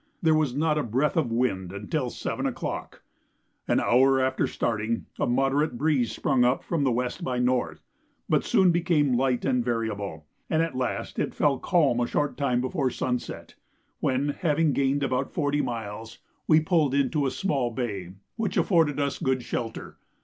There was not a breath of wind until 7 o'clock. An hour after starting, a moderate breeze sprung up from W. by N., but soon became light and variable, and at last it fell calm a short time before sunset, when, having gained about 40 miles, we pulled into a small bay, which afforded us good shelter.